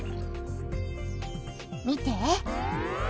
見て。